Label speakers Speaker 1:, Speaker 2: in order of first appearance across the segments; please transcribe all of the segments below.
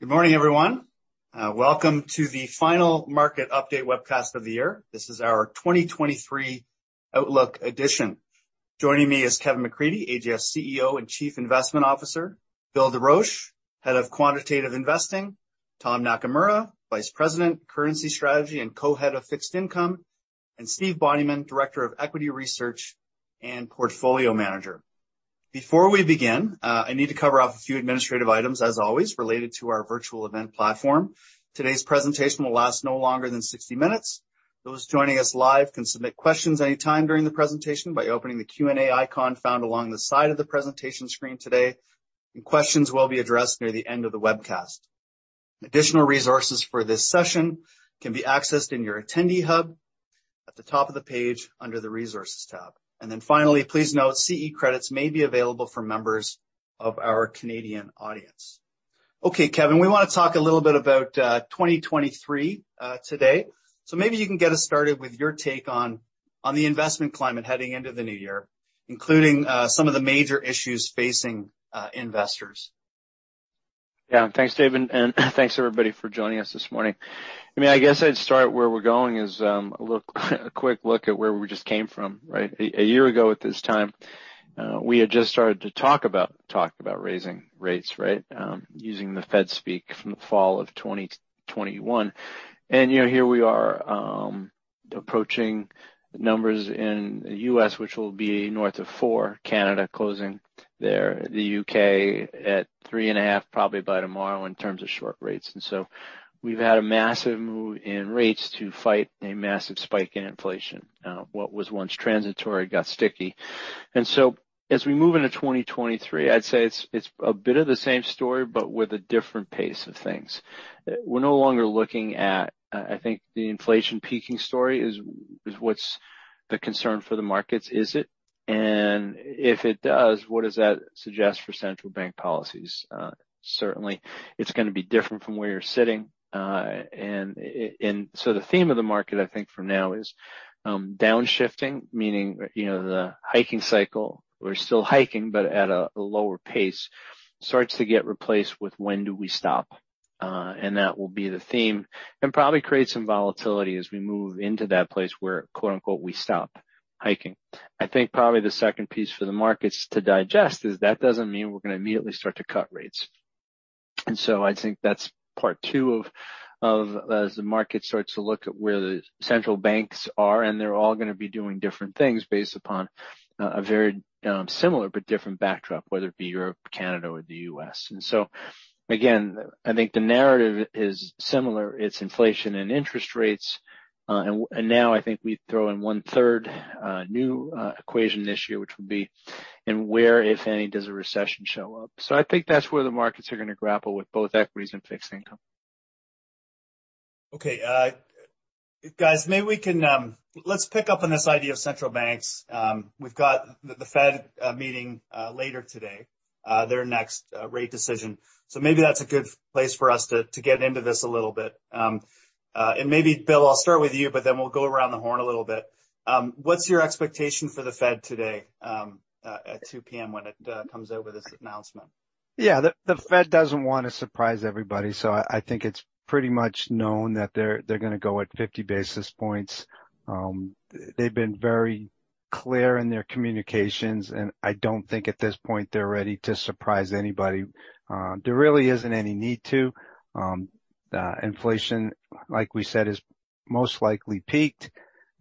Speaker 1: Good morning, everyone. Welcome to the final market update webcast of the year. This is our 2023 outlook edition. Joining me is Kevin McCreadie, AGF CEO and Chief Investment Officer, Bill DeRoche, Head of Quantitative Investing, Tom Nakamura, Vice President, Currency Strategy and Co-Head of Fixed Income, and Steve Bonnyman, Director of Equity Research and Portfolio Manager. Before we begin, I need to cover off a few administrative items, as always, related to our virtual event platform. Today's presentation will last no longer than 60 minutes. Those joining us live can submit questions any time during the presentation by opening the Q&A icon found along the side of the presentation screen today, and questions will be addressed near the end of the webcast. Additional resources for this session can be accessed in your attendee hub at the top of the page under the Resources tab. Finally, please note, CE credits may be available for members of our Canadian audience. Okay, Kevin, we wanna talk a little bit about 2023 today. Maybe you can get us started with your take on the investment climate heading into the new year, including some of the major issues facing investors.
Speaker 2: Thanks, David, thanks everybody for joining us this morning. I mean, I guess I'd start where we're going is a quick look at where we just came from, right? A year ago at this time, we had just started to talk about raising rates, right, using the Fed speak from the fall of 2021. You know, here we are, approaching numbers in the U.S., which will be north of 4, Canada closing there, the U.K. at 3.5 probably by tomorrow in terms of short rates. We've had a massive move in rates to fight a massive spike in inflation. What was once transitory got sticky. As we move into 2023, I'd say it's a bit of the same story, but with a different pace of things. We're no longer looking at, I think the inflation peaking story is what's the concern for the markets. Is it? If it does, what does that suggest for central bank policies? Certainly it's gonna be different from where you're sitting. The theme of the market, I think, for now is downshifting, meaning, you know, the hiking cycle. We're still hiking, but at a lower pace. Starts to get replaced with when do we stop, and that will be the theme. Probably create some volatility as we move into that place where quote-unquote, we stop hiking. I think probably the second piece for the markets to digest is that doesn't mean we're gonna immediately start to cut rates. I think that's part two of as the market starts to look at where the central banks are, and they're all gonna be doing different things based upon a very similar but different backdrop, whether it be Europe, Canada or the U.S. Again, I think the narrative is similar. It's inflation and interest rates, and now I think we throw in one third new equation this year, which would be, and where, if any, does a recession show up? I think that's where the markets are gonna grapple with both equities and fixed income.
Speaker 1: Okay. Guys, maybe we can let's pick up on this idea of central banks. We've got the Fed meeting later today, their next rate decision. Maybe that's a good place for us to get into this a little bit. Maybe Bill, I'll start with you, but then we'll go around the horn a little bit. What's your expectation for the Fed today at 2:00 P.M. when it comes out with this announcement?
Speaker 3: Yeah. The Fed doesn't wanna surprise everybody. I think it's pretty much known that they're gonna go at 50 basis points. They've been very clear in their communications. I don't think at this point they're ready to surprise anybody. There really isn't any need to. Inflation, like we said, is most likely peaked.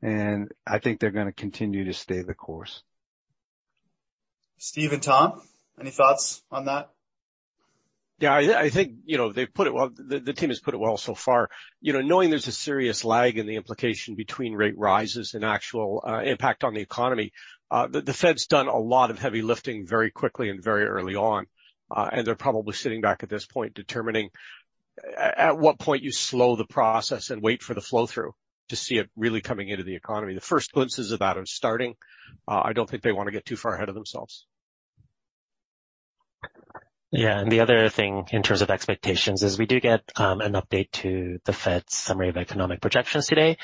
Speaker 3: I think they're gonna continue to stay the course.
Speaker 1: Steve and Tom, any thoughts on that?
Speaker 4: Yeah, I think, you know, they've put it well. The team has put it well so far. You know, knowing there's a serious lag in the implication between rate rises and actual impact on the economy, the Fed's done a lot of heavy lifting very quickly and very early on, and they're probably sitting back at this point determining at what point you slow the process and wait for the flow-through to see it really coming into the economy. The first glimpses of that are starting. I don't think they wanna get too far ahead of themselves.
Speaker 5: Yeah. The other thing, in terms of expectations, is we do get an update to the Fed's summary of economic projections today.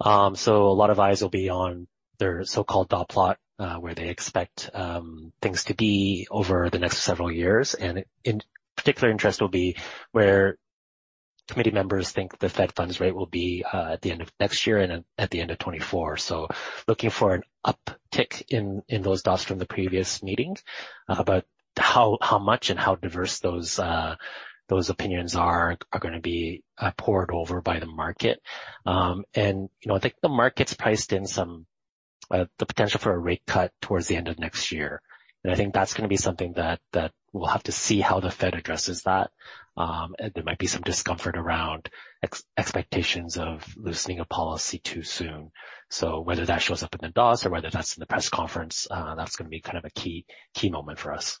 Speaker 5: A lot of eyes will be on their so-called dot plot, where they expect things to be over the next several years. In particular interest will be where committee members think the federal funds rate will be at the end of next year and at the end of 2024. Looking for an uptick in those dots from the previous meetings. How much and how diverse those opinions are gonna be pored over by the market. You know, I think the market's priced in some the potential for a rate cut towards the end of next year. I think that's gonna be something that we'll have to see how the Fed addresses that. There might be some discomfort around expectations of loosening a policy too soon. Whether that shows up in the dots or whether that's in the press conference, that's gonna be kind of a key moment for us.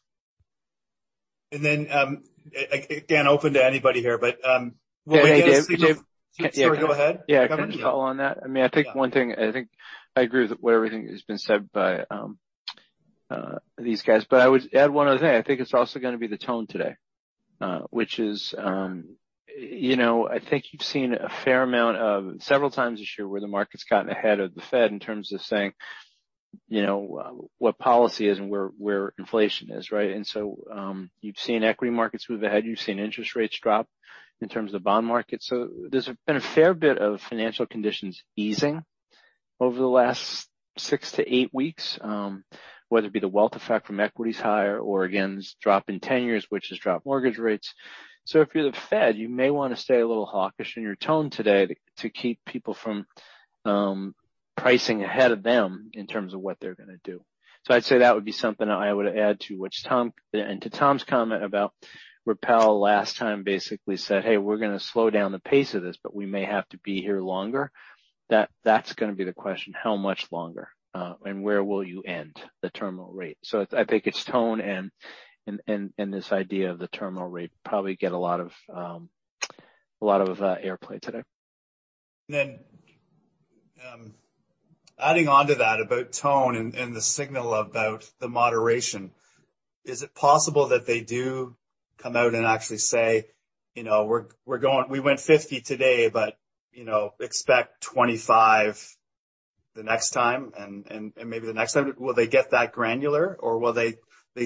Speaker 1: Again, open to anybody here, but, go ahead.
Speaker 2: Yeah. Can I just follow on that? I mean, I think one thing, I think I agree with what everything has been said by these guys. I would add one other thing. I think it's also gonna be the tone today, which is, you know, I think you've seen a fair amount of several times this year, where the market's gotten ahead of the Fed in terms of saying. You know, what policy is and where inflation is, right? You've seen equity markets move ahead, you've seen interest rates drop in terms of the bond market. There's been a fair bit of financial conditions easing over the last 6-8 weeks, whether it be the wealth effect from equities higher or, again, this drop in 10 years, which has dropped mortgage rates. If you're the Fed, you may wanna stay a little hawkish in your tone today to keep people from pricing ahead of them in terms of what they're gonna do. I'd say that would be something I would add to Tom's comment about Powell last time basically said, "Hey, we're gonna slow down the pace of this, but we may have to be here longer." That's gonna be the question, how much longer, and where will you end the terminal rate? I think it's tone and this idea of the terminal rate probably get a lot of, a lot of airplay today.
Speaker 1: Adding on to that about tone and the signal about the moderation, is it possible that they do come out and actually say, you know, "We went 50 today, but, you know, expect 25 the next time and maybe the next time?" Will they get that granular, or will they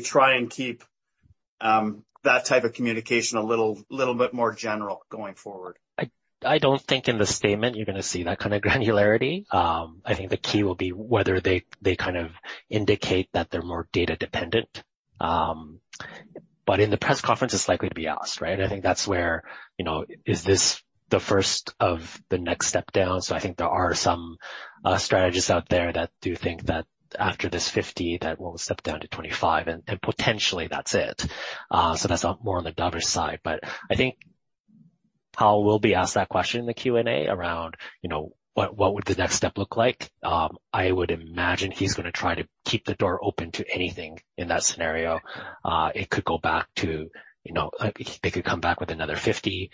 Speaker 1: try and keep that type of communication a little bit more general going forward?
Speaker 5: I don't think in the statement you're gonna see that kind of granularity. I think the key will be whether they kind of indicate that they're more data dependent. In the press conference, it's likely to be asked, right? I think that's where, you know, is this the first of the next step down? I think there are some strategists out there that do think that after this 50, that we'll step down to 25, and potentially that's it. That's more on the dovish side. I think Powell will be asked that question in the Q&A around, you know, what would the next step look like. I would imagine he's gonna try to keep the door open to anything in that scenario. It could go back to, you know, they could come back with another 50.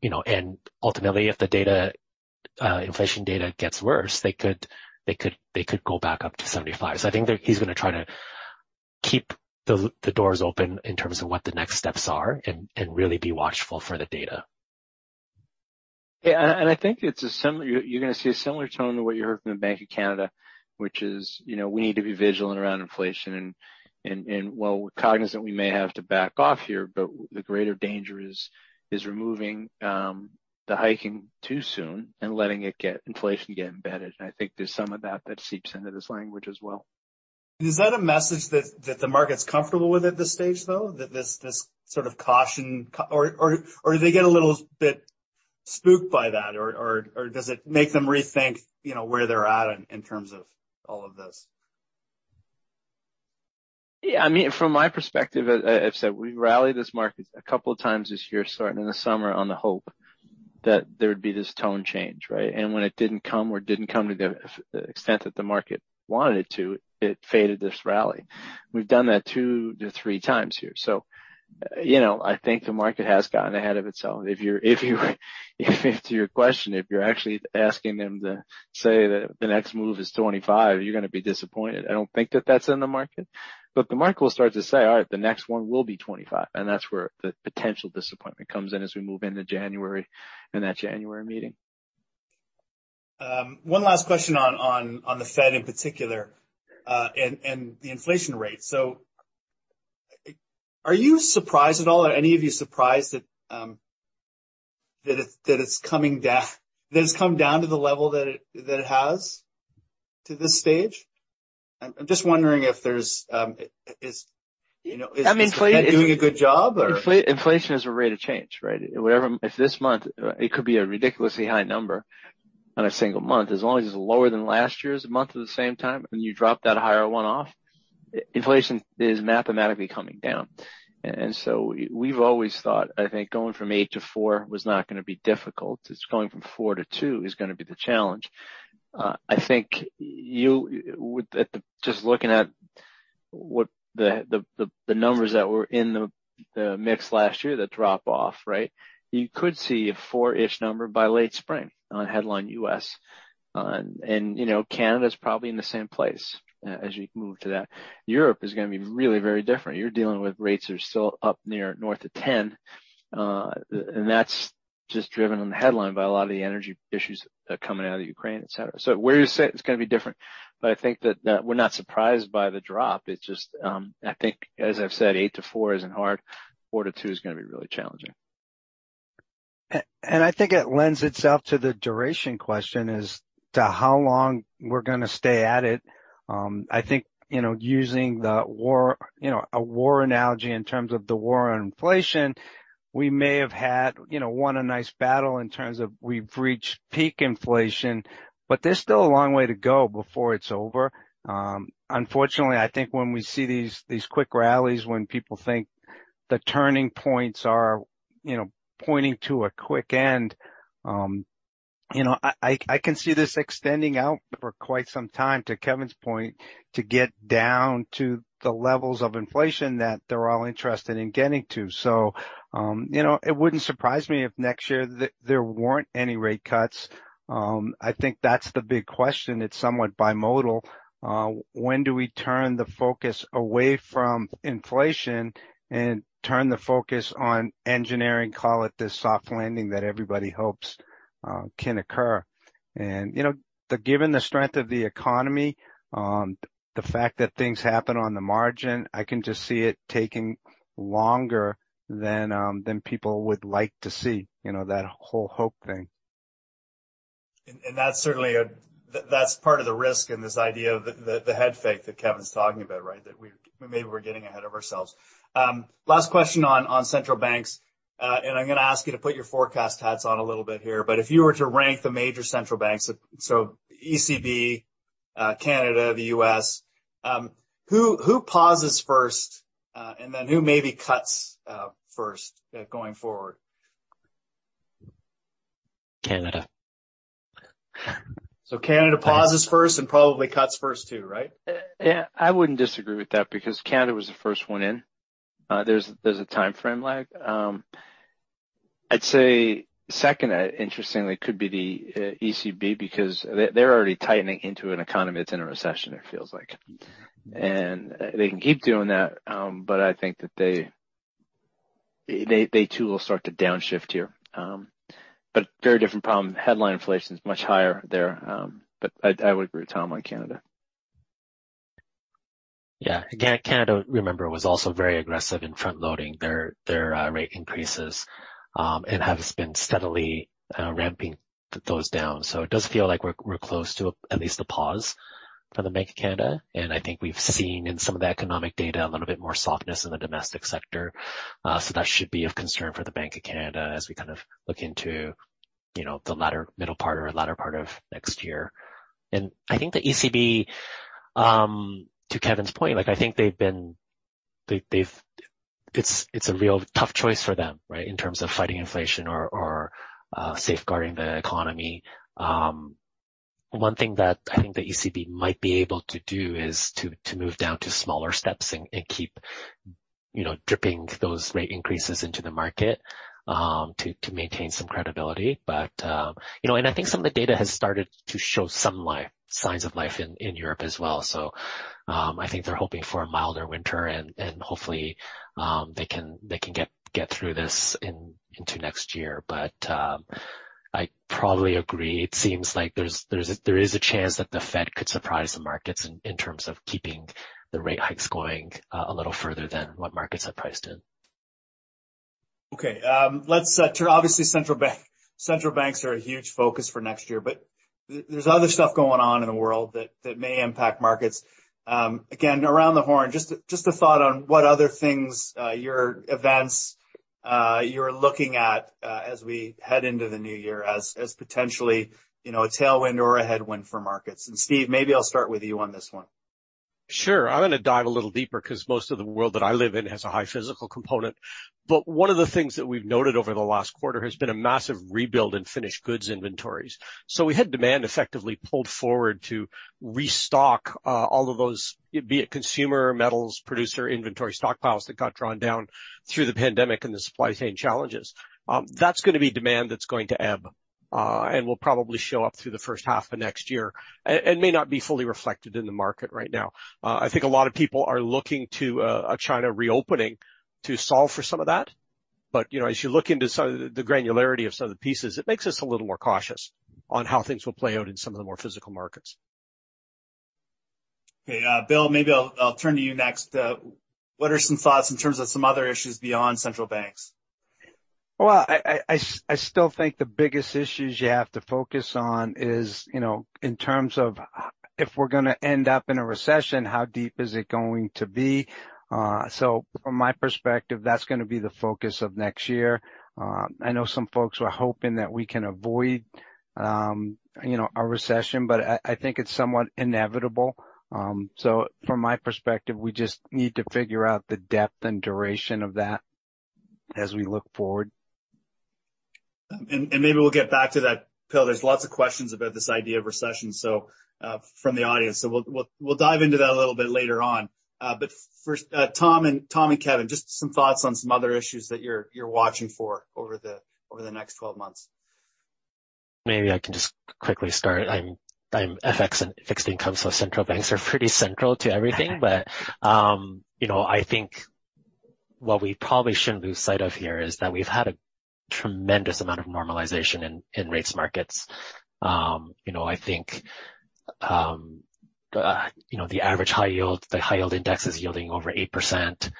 Speaker 5: You know, ultimately, if the data, inflation data gets worse, they could go back up to 75. I think he's gonna try to keep the doors open in terms of what the next steps are and really be watchful for the data.
Speaker 2: Yeah. You're gonna see a similar tone to what you heard from the Bank of Canada, which is, you know, we need to be vigilant around inflation and while we're cognizant we may have to back off here, but the greater danger is removing the hiking too soon and letting inflation get embedded. I think there's some of that that seeps into this language as well.
Speaker 1: Is that a message that the market's comfortable with at this stage, though? That this sort of caution. Or do they get a little bit spooked by that? Or does it make them rethink, you know, where they're at in terms of all of this?
Speaker 2: Yeah. I mean, from my perspective, I've said we rallied this market a couple of times this year, starting in the summer, on the hope that there would be this tone change, right? When it didn't come or didn't come to the extent that the market wanted it to, it faded this rally. We've done that two to three times here. You know, I think the market has gotten ahead of itself. If to your question, if you're actually asking them to say that the next move is 25, you're gonna be disappointed. I don't think that that's in the market. The market will start to say, "All right, the next one will be 25," and that's where the potential disappointment comes in as we move into January and that January meeting.
Speaker 1: One last question on the Fed in particular, and the inflation rate. Are you surprised at all or any of you surprised that it's coming down-- that it's come down to the level that it has to this stage? I'm just wondering if there's, you know, is the Fed doing a good job or-
Speaker 2: Inflation is a rate of change, right? Whatever. If this month, it could be a ridiculously high number on a single month, as long as it's lower than last year's month at the same time, and you drop that higher one-off, inflation is mathematically coming down. We've always thought, I think, going from eight to four was not gonna be difficult. It's going from four to two is gonna be the challenge. I think Just looking at what the numbers that were in the mix last year, that drop off, right? You could see a four-ish number by late spring on headline U.S. You know, Canada's probably in the same place as you move to that. Europe is gonna be really very different. You're dealing with rates are still up near north of 10%, and that's just driven on the headline by a lot of the energy issues coming out of Ukraine, etc. Where you say it's gonna be different, I think that we're not surprised by the drop. It's just, I think, as I've said, 8%-4% isn't hard. 4%-2% is gonna be really challenging.
Speaker 3: I think it lends itself to the duration question as to how long we're gonna stay at it. I think, you know, using the war, you know, a war analogy in terms of the war on inflation, we may have had, you know, won a nice battle in terms of we've reached peak inflation, but there's still a long way to go before it's over. Unfortunately, I think when we see these quick rallies, when people think the turning points are, you know, pointing to a quick end, you know, I can see this extending out for quite some time, to Kevin's point, to get down to the levels of inflation that they're all interested in getting to. You know, it wouldn't surprise me if next year there weren't any rate cuts. I think that's the big question. It's somewhat bimodal. When do we turn the focus away from inflation and turn the focus on engineering, call it the soft landing that everybody hopes? Can occur. You know, given the strength of the economy, the fact that things happen on the margin, I can just see it taking longer than people would like to see, you know, that whole hope thing.
Speaker 1: That's certainly part of the risk in this idea of the head fake that Kevin's talking about, right? Maybe we're getting ahead of ourselves. Last question on central banks, and I'm gonna ask you to put your forecast hats on a little bit here. If you were to rank the major central banks, so ECB, Canada, the US, who pauses first, and then who maybe cuts first going forward?
Speaker 5: Canada.
Speaker 1: Canada pauses first and probably cuts first too, right?
Speaker 2: Yeah. I wouldn't disagree with that because Canada was the first one in. There's a timeframe lag. I'd say second, interestingly, could be the ECB because they're already tightening into an economy that's in a recession, it feels like. They can keep doing that, I think that they too will start to downshift here. Very different problem. Headline inflation is much higher there. I would agree with Tom on Canada.
Speaker 5: Yeah. Again, Canada, remember, was also very aggressive in front-loading their rate increases and has been steadily ramping those down. It does feel like we're close to at least a pause for the Bank of Canada. I think we've seen in some of the economic data a little bit more softness in the domestic sector. That should be of concern for the Bank of Canada as we kind of look into, you know, the middle part or latter part of next year. I think the ECB, to Kevin's point, like, I think they've been. They've, it's a real tough choice for them, right? In terms of fighting inflation or safeguarding the economy. One thing that I think the ECB might be able to do is to move down to smaller steps and keep, you know, dripping those rate increases into the market to maintain some credibility. I think some of the data has started to show some life, signs of life in Europe as well. I think they're hoping for a milder winter and hopefully they can get through this into next year. I probably agree. It seems like there is a chance that the Fed could surprise the markets in terms of keeping the rate hikes going a little further than what markets have priced in.
Speaker 1: Central banks are a huge focus for next year, there's other stuff going on in the world that may impact markets. Again, around the horn, just a thought on what other things, your events, you're looking at as we head into the new year as potentially, you know, a tailwind or a headwind for markets. Steve, maybe I'll start with you on this one.
Speaker 4: Sure. I'm gonna dive a little deeper 'cause most of the world that I live in has a high physical component. One of the things that we've noted over the last quarter has been a massive rebuild in finished goods inventories. We had demand effectively pulled forward to restock all of those, be it consumer, metals, producer, inventory stockpiles that got drawn down through the pandemic and the supply chain challenges. That's gonna be demand that's going to ebb and will probably show up through the first half of next year. May not be fully reflected in the market right now. I think a lot of people are looking to China reopening to solve for some of that. You know, as you look into some of the granularity of some of the pieces, it makes us a little more cautious on how things will play out in some of the more physical markets.
Speaker 1: Okay. Bill, maybe I'll turn to you next. What are some thoughts in terms of some other issues beyond central banks?
Speaker 3: Well, I still think the biggest issues you have to focus on is, you know, in terms of if we're gonna end up in a recession, how deep is it going to be? From my perspective, that's gonna be the focus of next year. I know some folks were hoping that we can avoid, you know, a recession, but I think it's somewhat inevitable. From my perspective, we just need to figure out the depth and duration of that as we look forward.
Speaker 1: Maybe we'll get back to that. Bill, there's lots of questions about this idea of recession, so from the audience. We'll dive into that a little bit later on. First, Tom and Kevin, just some thoughts on some other issues that you're watching for over the next 12 months.
Speaker 5: Maybe I can just quickly start. I'm FX and fixed income, central banks are pretty central to everything. You know, I think what we probably shouldn't lose sight of here is that we've had a tremendous amount of normalization in rates markets. You know, I think, you know, the average high yield, the high yield index is yielding over 8%.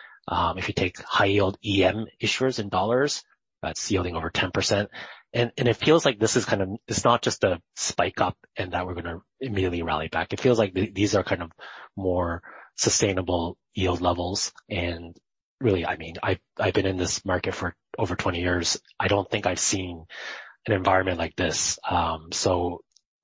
Speaker 5: If you take high yield EM issuers in dollars, that's yielding over 10%. It feels like this is kind of it's not just a spike up and that we're gonna immediately rally back. It feels like these are kind of more sustainable yield levels. Really, I mean, I've been in this market for over 20 years, I don't think I've seen an environment like this.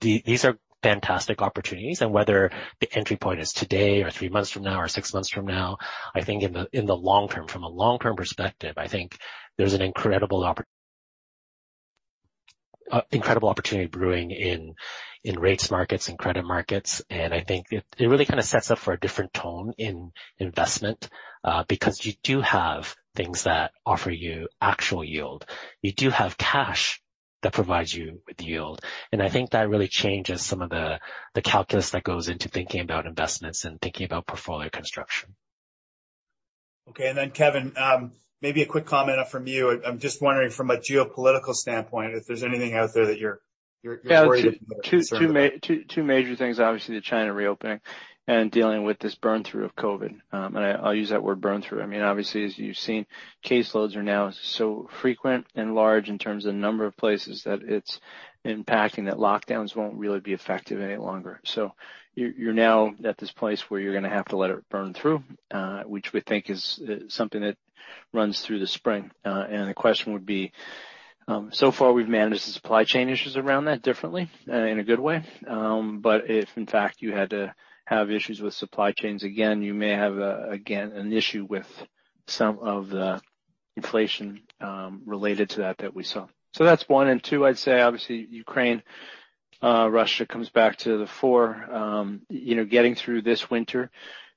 Speaker 5: These are fantastic opportunities, and whether the entry point is today or three months from now or six months from now, I think in the long term, from a long-term perspective, I think there's an incredible opportunity brewing in rates markets and credit markets. I think it really kind of sets up for a different tone in investment, because you do have things that offer you actual yield. You do have cash that provides you with yield, and I think that really changes some of the calculus that goes into thinking about investments and thinking about portfolio construction.
Speaker 1: Kevin, maybe a quick comment from you. I'm just wondering from a geopolitical standpoint, if there's anything out there that you're worried about?
Speaker 2: Yeah. Two major things, obviously, the China reopening and dealing with this burn through of COVID. I'll use that word burn through. I mean, obviously, as you've seen, caseloads are now so frequent and large in terms of the number of places that it's impacting, that lockdowns won't really be effective any longer. You're now at this place where you're gonna have to let it burn through, which we think is something that runs through the spring. The question would be, so far, we've managed the supply chain issues around that differently, in a good way. If, in fact, you had to have issues with supply chains, again, you may have, again, an issue with some of the inflation related to that that we saw. That's one. I'd say obviously Ukraine, Russia comes back to the fore. You know, getting through this winter,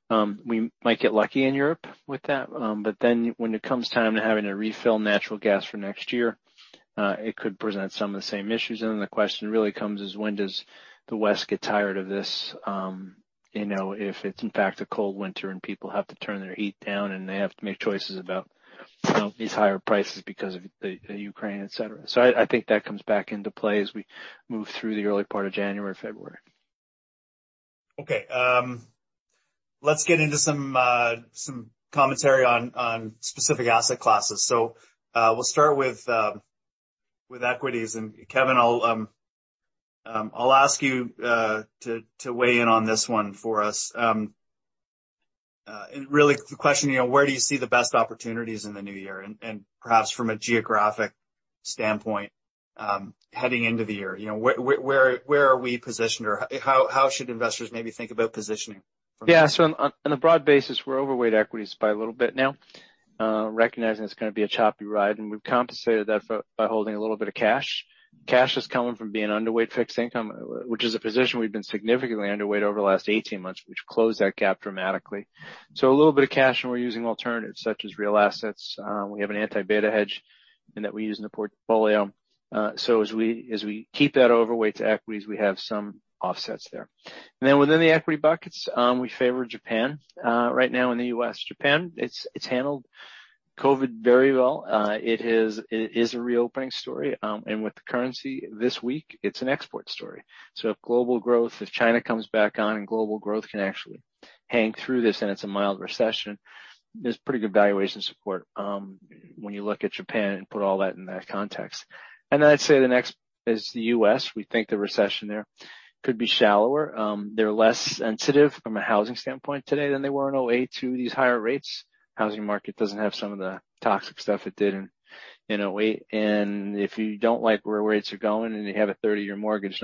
Speaker 2: we might get lucky in Europe with that. When it comes time to having to refill natural gas for next year, it could present some of the same issues. The question really comes is when does the West get tired of this? You know, if it's in fact a cold winter and people have to turn their heat down and they have to make choices about, you know, these higher prices because of the Ukraine, et cetera. I think that comes back into play as we move through the early part of January, February.
Speaker 1: Okay. Let's get into some commentary on specific asset classes. We'll start with equities. Kevin, I'll ask you to weigh in on this one for us. Really the question, you know, where do you see the best opportunities in the new year and perhaps from a geographic standpoint, heading into the year? You know, where are we positioned or how should investors maybe think about positioning from here?
Speaker 2: Yeah. On a broad basis, we're overweight equities by a little bit now. Recognizing it's gonna be a choppy ride, and we've compensated by holding a little bit of cash. Cash is coming from being underweight fixed income, which is a position we've been significantly underweight over the last 18 months, which closed that gap dramatically. A little bit of cash, and we're using alternatives such as real assets. We have an anti-beta hedge, and that we use in the portfolio. As we keep that overweight to equities, we have some offsets there. Within the equity buckets, we favor Japan. Right now in the U.S., Japan, it's handled COVID very well. It is a reopening story. With the currency this week, it's an export story. If global growth, if China comes back on and global growth can actually hang through this and it's a mild recession, there's pretty good valuation support when you look at Japan and put all that in that context. I'd say the next is the US. We think the recession there could be shallower. They're less sensitive from a housing standpoint today than they were in 2008 to these higher rates. Housing market doesn't have some of the toxic stuff it did in 2008. If you don't like where rates are going and you have a 30-year mortgage, it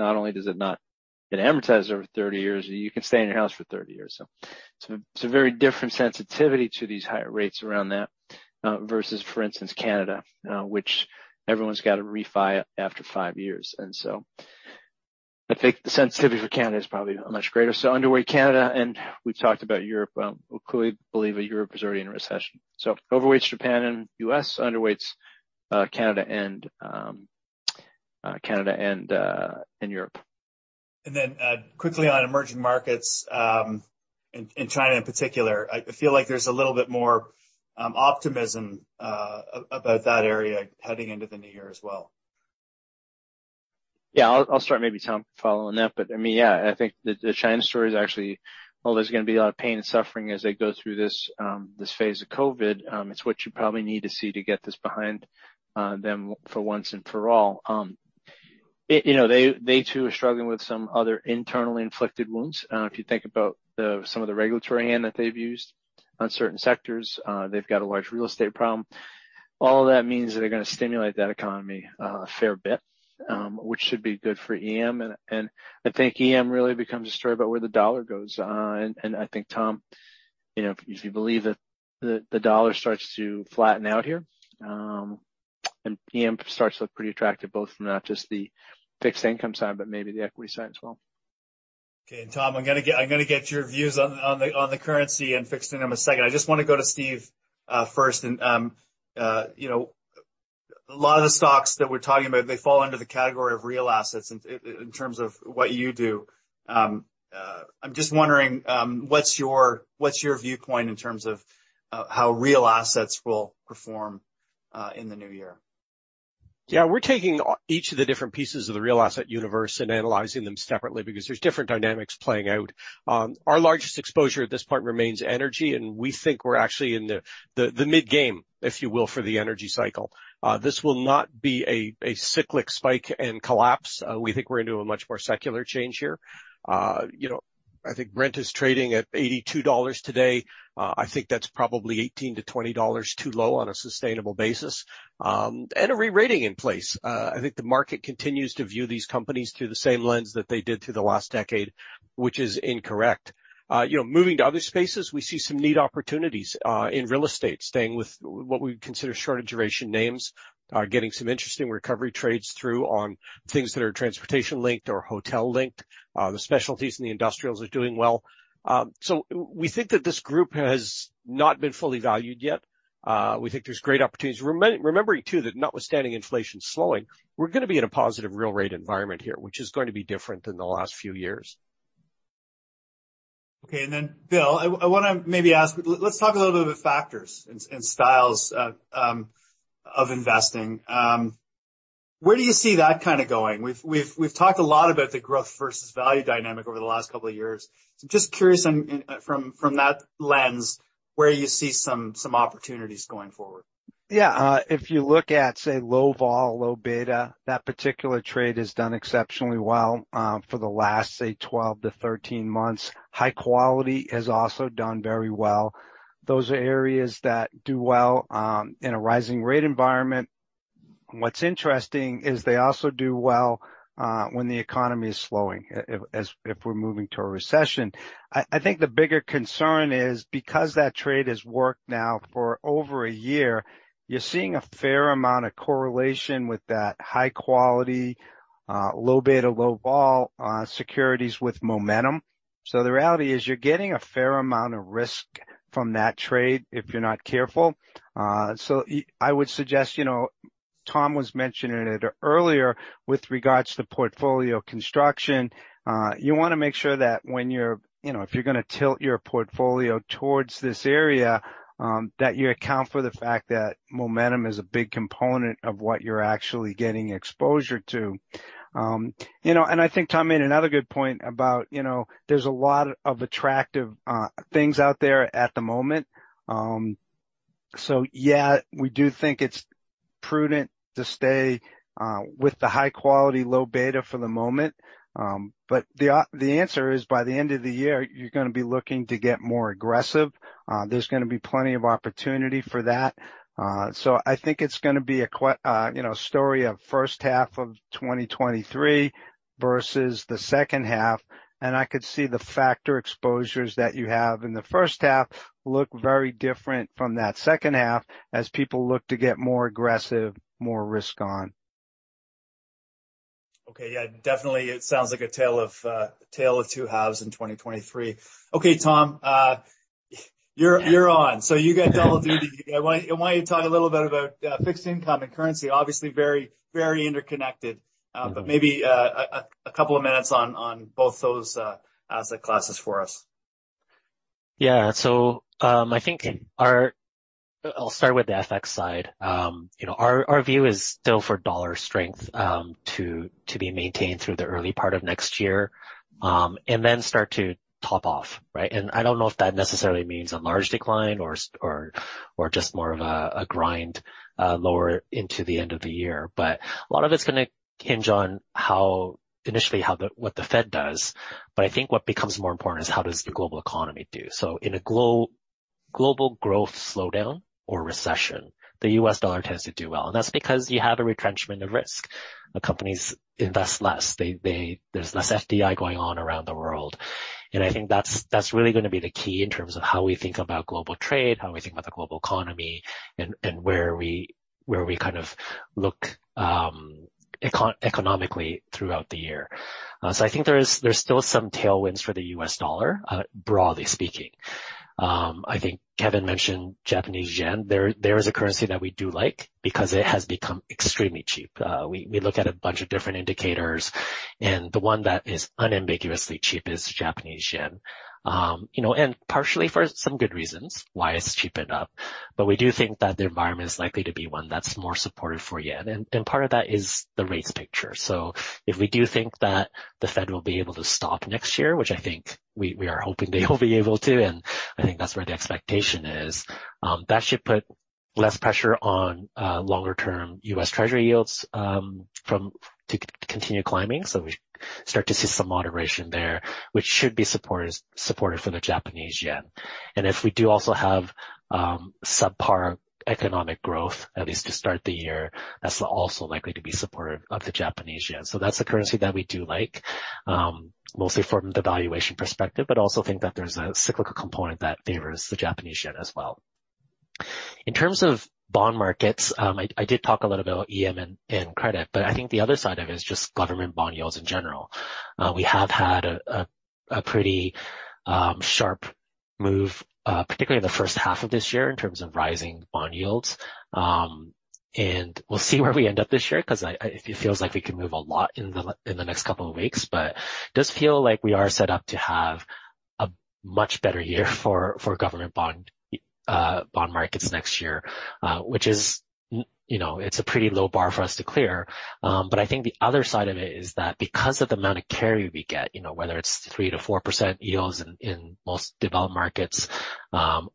Speaker 2: amortizes over 30 years, you can stay in your house for 30 years. It's a very different sensitivity to these higher rates around that versus, for instance, Canada, which everyone's got to refi after 5 years. I think the sensitivity for Canada is probably much greater. Underweight Canada, and we've talked about Europe. We clearly believe that Europe is already in recession. Overweights Japan and U.S., underweights Canada and Europe.
Speaker 1: Quickly on emerging markets, in China in particular, I feel like there's a little bit more optimism about that area heading into the new year as well.
Speaker 2: I'll start, maybe Tom can follow on that. I mean, yeah, I think the China story is actually, well, there's gonna be a lot of pain and suffering as they go through this phase of COVID. It's what you probably need to see to get this behind them for once and for all. You know, they too are struggling with some other internally inflicted wounds. If you think about some of the regulatory hand that they've used on certain sectors, they've got a large real estate problem. All of that means that they're gonna stimulate that economy a fair bit, which should be good for EM. I think EM really becomes a story about where the dollar goes. I think, Tom, you know, if you believe that the dollar starts to flatten out here, and EM starts to look pretty attractive, both from not just the fixed income side but maybe the equity side as well.
Speaker 1: Okay. Tom, I'm gonna get your views on the currency and fixed income a second. I just wanna go to Steve first. You know, a lot of the stocks that we're talking about, they fall under the category of real assets in terms of what you do. I'm just wondering, what's your viewpoint in terms of how real assets will perform in the new year?
Speaker 4: Yeah, we're taking each of the different pieces of the real asset universe and analyzing them separately because there's different dynamics playing out. Our largest exposure at this point remains energy. We think we're actually in the mid-game, if you will, for the energy cycle. This will not be a cyclic spike and collapse. We think we're into a much more secular change here. You know, I think Brent is trading at $82 today. I think that's probably $18-$20 too low on a sustainable basis. A rerating in place. I think the market continues to view these companies through the same lens that they did through the last decade, which is incorrect. You know, moving to other spaces, we see some neat opportunities in real estate, staying with what we consider shorter duration names, getting some interesting recovery trades through on things that are transportation-linked or hotel-linked. The specialties and the industrials are doing well. We think that this group has not been fully valued yet. We think there's great opportunities. Remembering too, that notwithstanding inflation slowing, we're gonna be in a positive real rate environment here, which is going to be different than the last few years.
Speaker 1: Okay, Bill, I wanna maybe ask, let's talk a little bit about factors and styles of investing. Where do you see that kinda going? We've talked a lot about the growth versus value dynamic over the last couple of years. Just curious from that lens, where you see some opportunities going forward.
Speaker 3: Yeah. If you look at low volatility, low beta, that particular trade has done exceptionally well for the last 12 to 13 months. High quality has also done very well. Those are areas that do well in a rising rate environment. What's interesting is they also do well when the economy is slowing, as if we're moving to a recession. I think the bigger concern is because that trade has worked now for over a year, you're seeing a fair amount of correlation with that high quality, low beta, low volatility securities with momentum. The reality is you're getting a fair amount of risk from that trade if you're not careful. I would suggest, you know, Tom was mentioning it earlier with regards to portfolio construction. You wanna make sure that when you're, you know, if you're gonna tilt your portfolio towards this area, that you account for the fact that momentum is a big component of what you're actually getting exposure to. You know, I think Tom made another good point about, you know, there's a lot of attractive things out there at the moment. Yeah, we do think it's prudent to stay with the high quality, low beta for the moment. The answer is, by the end of the year, you're gonna be looking to get more aggressive. There's gonna be plenty of opportunity for that. I think it's gonna be a you know story of first half of 2023 versus the second half, and I could see the factor exposures that you have in the first half look very different from that second half as people look to get more aggressive, more risk on.
Speaker 1: Okay, yeah. Definitely it sounds like a tale of 2 1/2 in 2023. Okay, Tom, you're on. You get double duty. I want you to talk a little bit about fixed income and currency. Obviously very, very interconnected. Maybe a couple of minutes on both those asset classes for us.
Speaker 5: Yeah. I think our I'll start with the FX side. You know, our view is still for dollar strength to be maintained through the early part of next year, and then start to top off, right? I don't know if that necessarily means a large decline or just more of a grind lower into the end of the year. A lot of it's gonna hinge on how initially how the, what the Fed does, but I think what becomes more important is how does the global economy do? In a global growth slowdown or recession, the U.S. dollar tends to do well, and that's because you have a retrenchment of risk. The companies invest less. There's less FDI going on around the world. I think that's really gonna be the key in terms of how we think about global trade, how we think about the global economy, and where we kind of look economically throughout the year. I think there's still some tailwinds for the U.S. dollar, broadly speaking. I think Kevin mentioned Japanese yen. There is a currency that we do like because it has become extremely cheap. We look at a bunch of different indicators, and the one that is unambiguously cheap is Japanese yen. You know, partially for some good reasons why it's cheapened up. We do think that the environment is likely to be one that's more supportive for yen. Part of that is the rates picture. If we do think that the Fed will be able to stop next year, which I think we are hoping they will be able to, and I think that's where the expectation is, that should put less pressure on longer term U.S. Treasury yields to continue climbing. We start to see some moderation there, which should be supportive for the Japanese yen. If we do also have subpar economic growth, at least to start the year, that's also likely to be supportive of the Japanese yen. That's the currency that we do like, mostly from the valuation perspective, but also think that there's a cyclical component that favors the Japanese yen as well. In terms of bond markets, I did talk a lot about EM and credit, but I think the other side of it is just government bond yields in general. We have had a pretty sharp move, particularly in the first half of this year in terms of rising bond yields. We'll see where we end up this year, 'cause it feels like we can move a lot in the next couple of weeks. It does feel like we are set up to have a much better year for government bond markets next year, which is, you know, it's a pretty low bar for us to clear. I think the other side of it is that because of the amount of carry we get, you know, whether it's 3%-4% yields in most developed markets,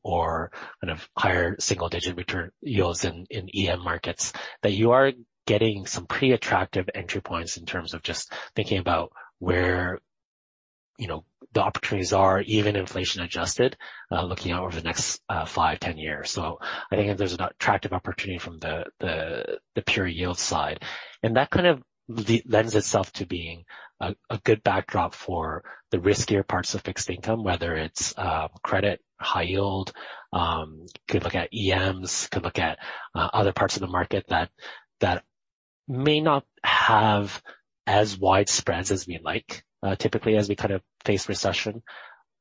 Speaker 5: or kind of higher single-digit return yields in EM markets, that you are getting some pretty attractive entry points in terms of just thinking about where, you know, the opportunities are, even inflation adjusted, looking out over the next five, 10 years. I think there's an attractive opportunity from the pure yield side. That kind of lends itself to being a good backdrop for the riskier parts of fixed income, whether it's credit, High Yield, could look at EMs, could look at other parts of the market that may not have as wide spreads as we like, typically as we kind of face recession.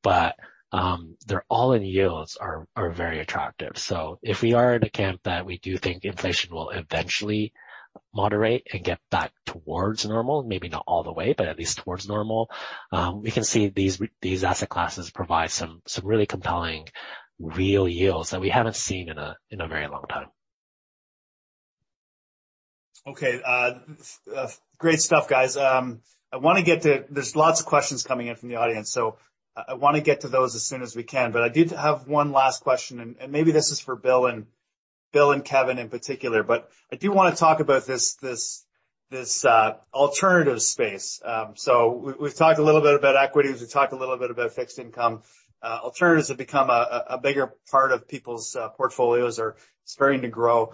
Speaker 5: Their all-in yields are very attractive. If we are in a camp that we do think inflation will eventually moderate and get back towards normal, maybe not all the way, but at least towards normal, we can see these asset classes provide some really compelling real yields that we haven't seen in a very long time.
Speaker 1: Okay. great stuff, guys. I wanna get to. There's lots of questions coming in from the audience, so I wanna get to those as soon as we can. I did have one last question, and maybe this is for Bill and Kevin in particular, but I do wanna talk about this alternative space. We've talked a little bit about equities. We've talked a little bit about fixed income. Alternatives have become a bigger part of people's portfolios are starting to grow.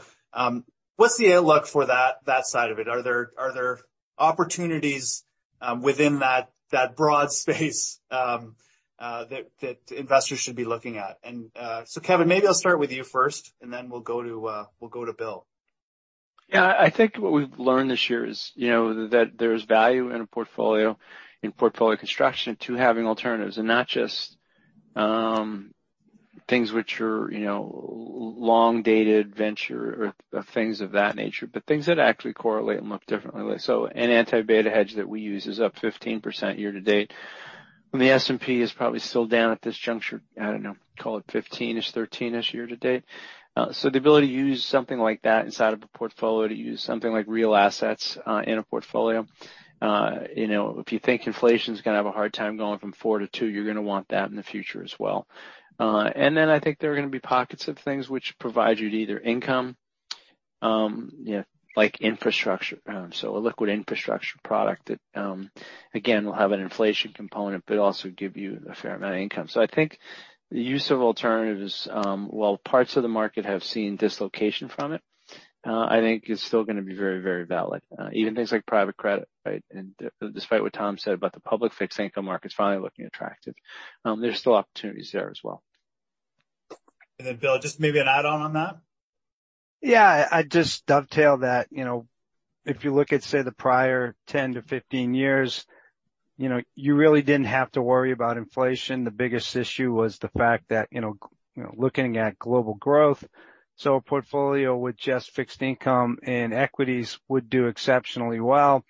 Speaker 1: What's the outlook for that side of it? Are there opportunities within that broad space that investors should be looking at? Kevin, maybe I'll start with you first, and then we'll go to Bill.
Speaker 2: I think what we've learned this year is, you know, that there's value in a portfolio, in portfolio construction to having alternatives. Not just things which are, you know, long-dated venture or things of that nature, but things that actually correlate and look differently. An anti-beta hedge that we use is up 15% year-to-date, and the S&P is probably still down at this juncture, I don't know, call it 15%-ish, 13%-ish year to date. The ability to use something like that inside of a portfolio, to use something like real assets in a portfolio, you know, if you think inflation's gonna have a hard time going from 4% to 2%, you're gonna want that in the future as well. Then I think there are going to be pockets of things which provide you to either income, you know, like infrastructure. A liquid infrastructure product that, again, will have an inflation component but also give you a fair amount of income. I think the use of alternatives, while parts of the market have seen dislocation from it, I think is still going to be very, very valid. Even things like private credit, right? Despite what Tom said about the public fixed income market's finally looking attractive, there's still opportunities there as well.
Speaker 1: Bill, just maybe an add-on on that.
Speaker 3: Yeah. I'd just dovetail that, you know, if you look at, say, the prior 10 to 15 years, you know, you really didn't have to worry about inflation. The biggest issue was the fact that, you know, looking at global growth. A portfolio with just fixed income and equities would do exceptionally well.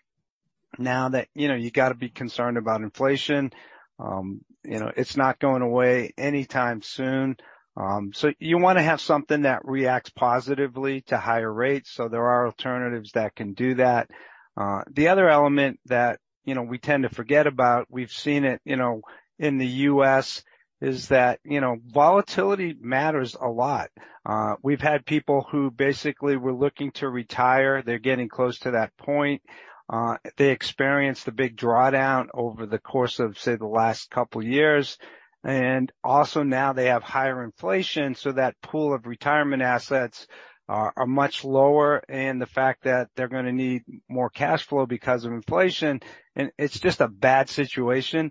Speaker 3: Now that, you know, you gotta be concerned about inflation, you know, it's not going away anytime soon. You wanna have something that reacts positively to higher rates, so there are alternatives that can do that. The other element that, you know, we tend to forget about, we've seen it, you know, in the U.S., is that, you know, volatility matters a lot. We've had people who basically were looking to retire, they're getting close to that point. They experienced the big drawdown over the course of, say, the last couple years. Now they have higher inflation, so that pool of retirement assets are much lower. The fact that they're gonna need more cash flow because of inflation, and it's just a bad situation.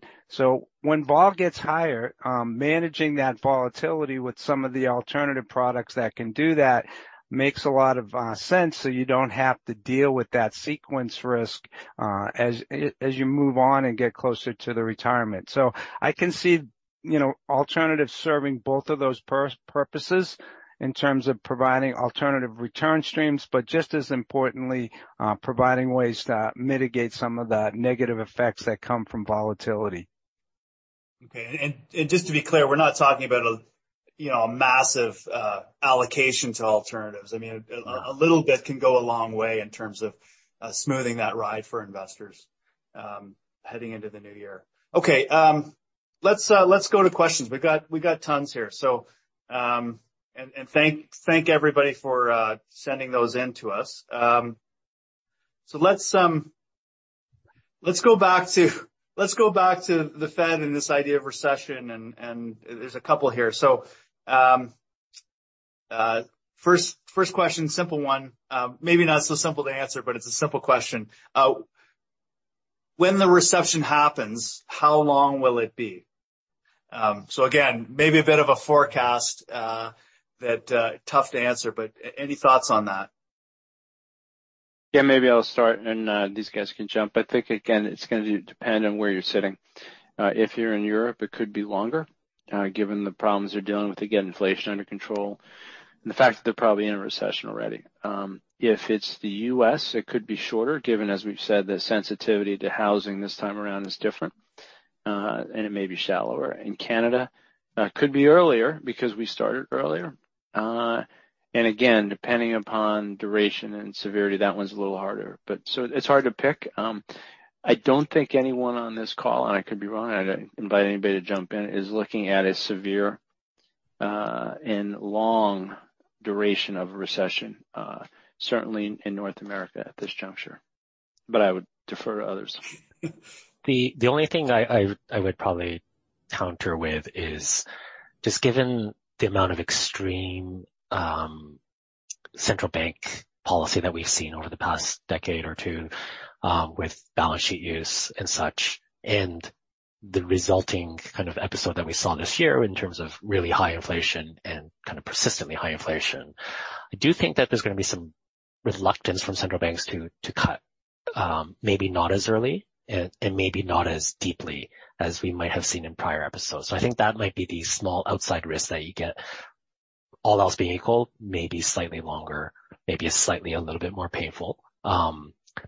Speaker 3: When volatility gets higher, managing that volatility with some of the alternative products that can do that makes a lot of sense, so you don't have to deal with that sequence risk as you move on and get closer to the retirement. I can see, you know, alternatives serving both of those purposes in terms of providing alternative return streams, but just as importantly, providing ways to mitigate some of the negative effects that come from volatility.
Speaker 1: Okay. Just to be clear, we're not talking about a, you know, a massive allocation to alternatives. I mean-
Speaker 3: No.
Speaker 1: A little bit can go a long way in terms of smoothing that ride for investors heading into the new year. Okay, let's go to questions. We've got tons here. And thank everybody for sending those in to us. Let's go back to the Fed and this idea of recession and there's a couple here. First question, simple one. Maybe not so simple to answer, but it's a simple question. When the recession happens, how long will it be? Again, maybe a bit of a forecast that tough to answer, but any thoughts on that?
Speaker 2: Yeah, maybe I'll start, these guys can jump. I think again, it's gonna depend on where you're sitting. If you're in Europe, it could be longer, given the problems they're dealing with to get inflation under control, and the fact that they're probably in a recession already. If it's the U.S., it could be shorter, given, as we've said, the sensitivity to housing this time around is different, and it may be shallower. In Canada, could be earlier because we started earlier. Again, depending upon duration and severity, that one's a little harder. It's hard to pick. I don't think anyone on this call, and I could be wrong, I'd invite anybody to jump in, is looking at a severe, and long duration of a recession, certainly in North America at this juncture. I would defer to others.
Speaker 5: The only thing I would probably counter with is just given the amount of extreme central bank policy that we've seen over the past decade or two, with balance sheet use and such, and the resulting kind of episode that we saw this year in terms of really high inflation and kind of persistently high inflation, I do think that there's gonna be some reluctance from central banks to cut. Maybe not as early and maybe not as deeply as we might have seen in prior episodes. I think that might be the small outside risk that you get. All else being equal, maybe slightly longer, maybe slightly a little bit more painful.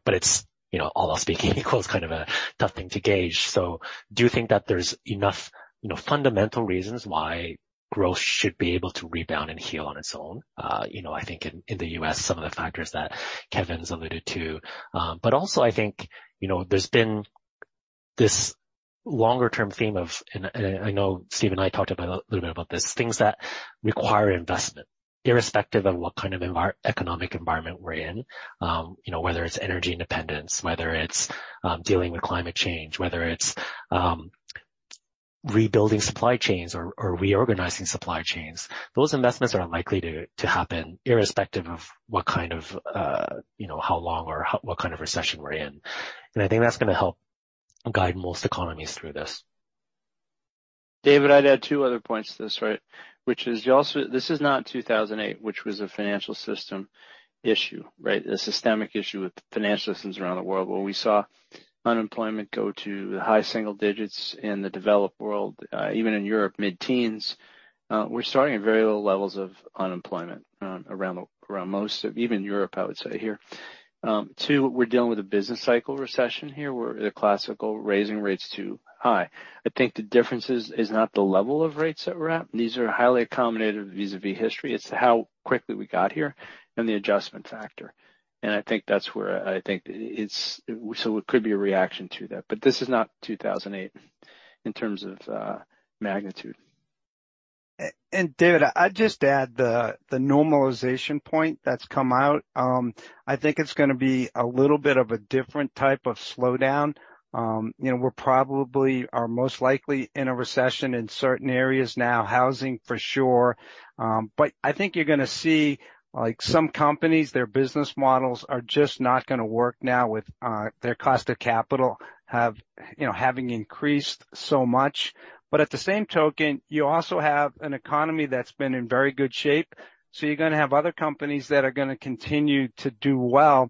Speaker 5: It's, you know, all else being equal, it's kind of a tough thing to gauge. Do you think that there's enough, you know, fundamental reasons why growth should be able to rebound and heal on its own? You know, I think in the U.S., some of the factors that Kevin's alluded to. Also I think, you know, there's been this longer term theme of, I know Steve and I talked about a little bit about this, things that require investment, irrespective of what kind of economic environment we're in. You know, whether it's energy independence, whether it's dealing with climate change, whether it's rebuilding supply chains or reorganizing supply chains. Those investments are unlikely to happen irrespective of what kind of, you know, how long or what kind of recession we're in. I think that's gonna help guide most economies through this.
Speaker 2: David, I'd add two other points to this, right? Which is you also, this is not 2008, which was a financial system issue, right? A systemic issue with financial systems around the world where we saw unemployment go to the high single digits in the developed world, even in Europe, mid-teens. We're starting at very low levels of unemployment around most of even Europe, I would say here. two, we're dealing with a business cycle recession here, where the classical raising rates too high. I think the difference is not the level of rates that we're at. These are highly accommodative vis-a-vis history. It's how quickly we got here and the adjustment factor. I think that's where I think it could be a reaction to that. This is not 2008 in terms of magnitude.
Speaker 3: David, I'd just add the normalization point that's come out. I think it's gonna be a little bit of a different type of slowdown. You know, we're probably are most likely in a recession in certain areas now, housing for sure. I think you're gonna see, like some companies, their business models are just not gonna work now with their cost of capital have, you know, having increased so much. At the same token, you also have an economy that's been in very good shape, so you're gonna have other companies that are gonna continue to do well.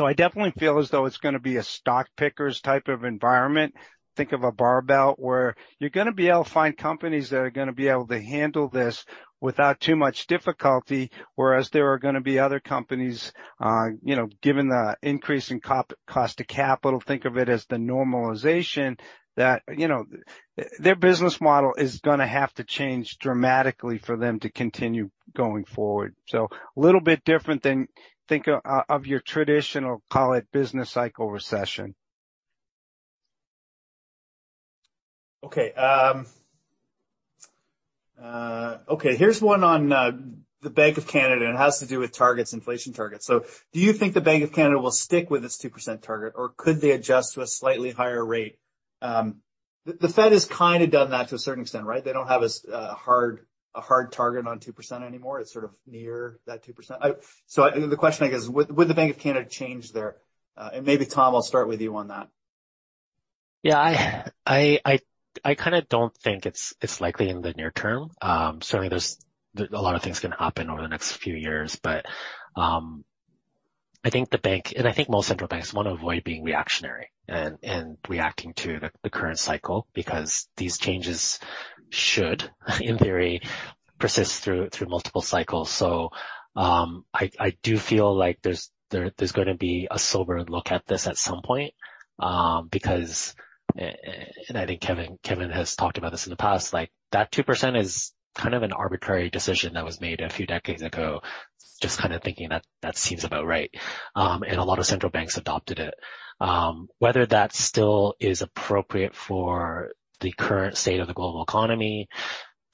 Speaker 3: I definitely feel as though it's gonna be a stock pickers type of environment. Think of a barbell, where you're gonna be able to find companies that are gonna be able to handle this without too much difficulty, whereas there are gonna be other companies, you know, given the increase in cap-cost of capital, think of it as the normalization, that, you know, their business model is gonna have to change dramatically for them to continue going forward. A little bit different than think of your traditional, call it business cycle recession.
Speaker 1: Okay, okay, here's one on the Bank of Canada, and it has to do with targets, inflation targets. Do you think the Bank of Canada will stick with its 2% target, or could they adjust to a slightly higher rate? The Fed has kinda done that to a certain extent, right? They don't have as a hard target on 2% anymore. It's sort of near that 2%. The question, I guess, would the Bank of Canada change their? Maybe, Tom, I'll start with you on that.
Speaker 5: Yeah, I kinda don't think it's likely in the near term. Certainly there's a lot of things can happen over the next few years, but I think the bank, and I think most central banks want to avoid being reactionary and reacting to the current cycle because these changes should, in theory, persist through multiple cycles. I do feel like there's gonna be a sober look at this at some point because, and I think Kevin has talked about this in the past, like that 2% is kind of an arbitrary decision that was made a few decades ago, just kinda thinking that seems about right. A lot of central banks adopted it. Whether that still is appropriate for the current state of the global economy,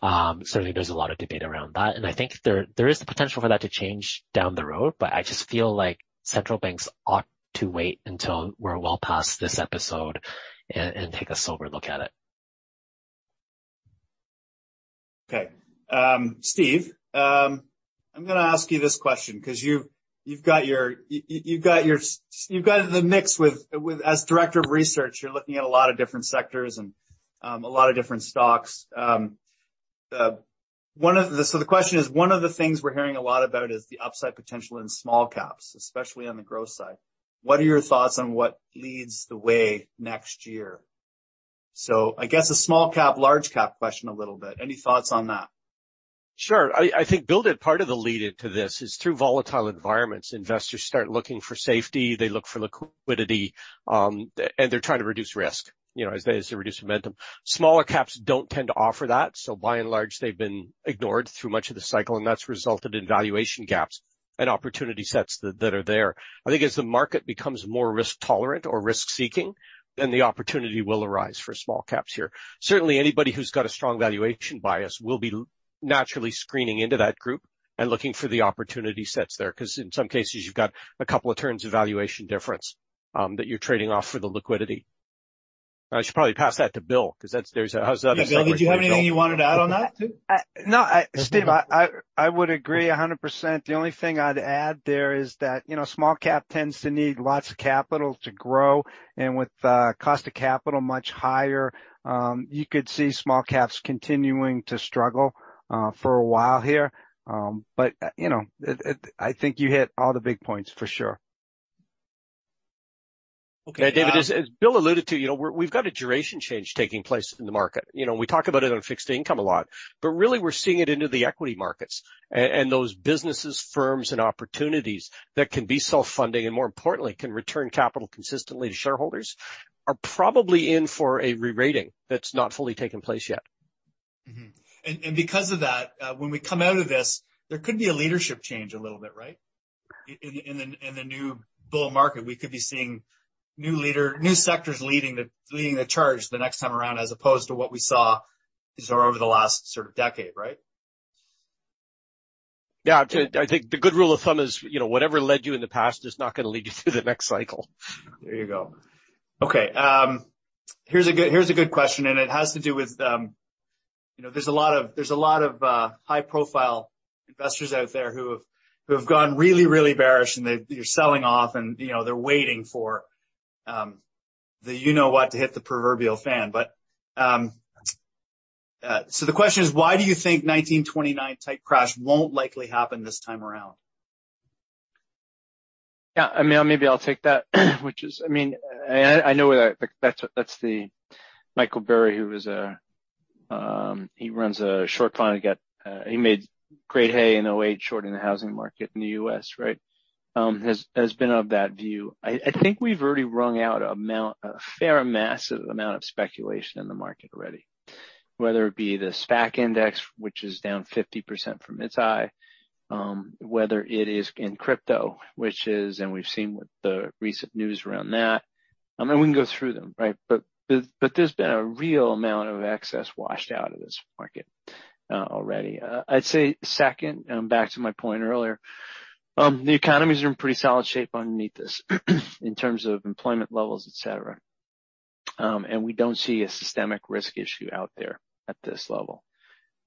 Speaker 5: certainly there's a lot of debate around that. I think there is the potential for that to change down the road, but I just feel like central banks ought to wait until we're well past this episode and take a sober look at it.
Speaker 1: Okay. Steve, I'm gonna ask you this question 'cause you've got your, you've got the mix with as director of research, you're looking at a lot of different sectors and a lot of different stocks. One of the things we're hearing a lot about is the upside potential in small caps, especially on the growth side. What are your thoughts on what leads the way next year? I guess a small cap, large cap question a little bit. Any thoughts on that?
Speaker 4: Sure. I think Bill did part of the lead-in to this is through volatile environments, investors start looking for safety, they look for liquidity, and they're trying to reduce risk, you know, as they reduce momentum. Smaller caps don't tend to offer that, so by and large, they've been ignored through much of the cycle. That's resulted in valuation gaps and opportunity sets that are there. I think as the market becomes more risk-tolerant or risk-seeking, then the opportunity will arise for small caps here. Certainly, anybody who's got a strong valuation bias will be naturally screening into that group and looking for the opportunity sets there. 'Cause in some cases, you've got a couple of turns of valuation difference that you're trading off for the liquidity. I should probably pass that to Bill 'cause that's, how's that a separate result?
Speaker 1: Bill, did you have anything you wanted to add on that, too?
Speaker 3: No. Steve, I would agree 100%. The only thing I'd add there is that, you know, small cap tends to need lots of capital to grow. With cost of capital much higher, you could see small caps continuing to struggle for a while here. You know, I think you hit all the big points for sure.
Speaker 4: Okay, David, as Bill alluded to, you know, we've got a duration change taking place in the market. You know, we talk about it on fixed income a lot, but really, we're seeing it into the equity markets. And those businesses, firms, and opportunities that can be self-funding, and more importantly, can return capital consistently to shareholders, are probably in for a re-rating that's not fully taken place yet.
Speaker 1: Because of that, when we come out of this, there could be a leadership change a little bit, right? In the new bull market, we could be seeing new sectors leading the charge the next time around as opposed to what we saw sort of over the last sort of decade, right?
Speaker 4: Yeah. I think the good rule of thumb is, you know, whatever led you in the past is not gonna lead you through the next cycle.
Speaker 1: There you go. Okay. here's a good question, and it has to do with, you know, there's a lot of high-profile investors out there who have gone really, really bearish, and they're selling off and, you know, they're waiting for, the you know what to hit the proverbial fan. The question is, why do you think 1929-type crash won't likely happen this time around?
Speaker 2: Yeah. I mean, maybe I'll take that, which is... I mean, I know where that's the Michael Burry, who is a... He runs a short fund. He got... He made great hay in 2008, shorting the housing market in the U.S., right? I think we've already wrung out a fair massive amount of speculation in the market already. Whether it be the SPAC index, which is down 50% from its high, whether it is in crypto, which is, and we've seen with the recent news around that. I mean, we can go through them, right? There's been a real amount of excess washed out of this market already. I'd say second, back to my point earlier, the economy's in pretty solid shape underneath this in terms of employment levels, et cetera. We don't see a systemic risk issue out there at this level.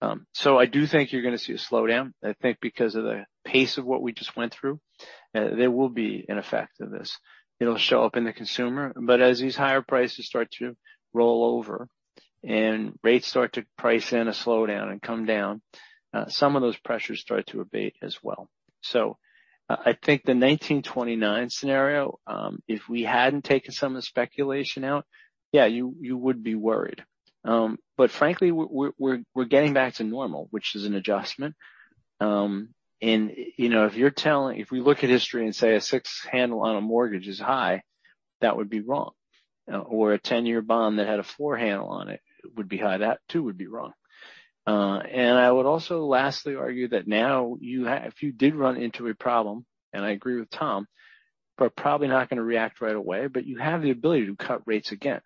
Speaker 2: I do think you're gonna see a slowdown, I think because of the pace of what we just went through. There will be an effect of this. It'll show up in the consumer. As these higher prices start to roll over and rates start to price in a slowdown and come down, some of those pressures start to abate as well. I think the 1929 scenario, if we hadn't taken some of the speculation out, yeah, you would be worried. Frankly, we're getting back to normal, which is an adjustment. You know, if we look at history and say a six handle on a mortgage is high, that would be wrong. A 10-year bond that had a 4 handle on it would be high, that too would be wrong. I would also lastly argue that now if you did run into a problem, and I agree with Tom, we're probably not gonna react right away, but you have the ability to cut rates again.